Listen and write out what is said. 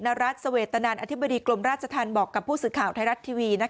รัฐเสวตนันอธิบดีกรมราชธรรมบอกกับผู้สื่อข่าวไทยรัฐทีวี